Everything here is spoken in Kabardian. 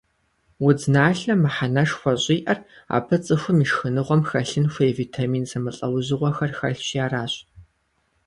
Удзналъэм мыхьэнэшхуэ щӀиӀэр абы цӀыхум и шхыныгъуэм хэлъын хуей витамин зэмылӀэужьыгъуэхэр хэлъщи аращ.